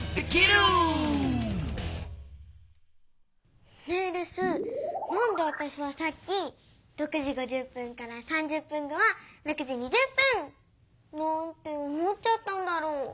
レスなんでわたしはさっき６時５０分から３０分後は６時２０分！なんて思っちゃったんだろう？